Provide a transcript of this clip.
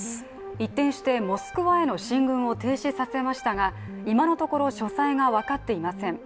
一転して、モスクワへの進軍を停止させましたが今のところ所在が分かっていません。